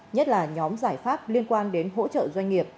nhất là nhóm giải pháp liên quan đến hỗ trợ doanh nghiệp